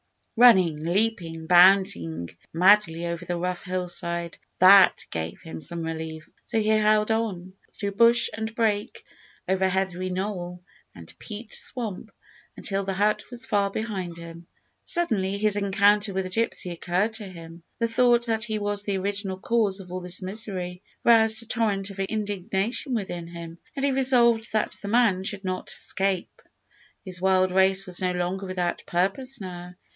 Running, leaping, bounding madly over the rough hill side that gave him some relief; so he held on, through bush and brake, over heathery knoll and peat swamp, until the hut was far behind him. Suddenly his encounter with the gypsy occurred to him. The thought that he was the original cause of all this misery roused a torrent of indignation within him, and he resolved that the man should not escape. His wild race was no longer without purpose now.